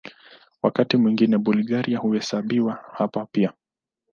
Wakati mwingine Bulgaria huhesabiwa hapa pia.